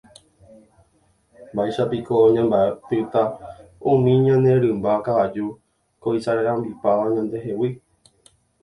Mba'éichapiko ñambyatýta umi ñane rymba kavaju ko isarambipáva ñandehegui.